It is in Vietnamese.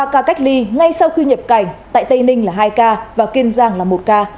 ba ca cách ly ngay sau khi nhập cảnh tại tây ninh là hai ca và kiên giang là một ca